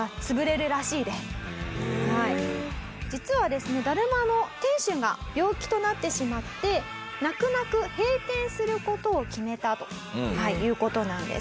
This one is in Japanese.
実はですねだるまの店主が病気となってしまって泣く泣く閉店する事を決めたという事なんです。